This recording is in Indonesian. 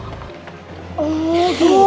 biar tempatnya rame